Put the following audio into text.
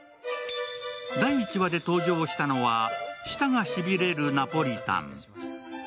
第１話で登場したのは舌がしびれるナポリタン。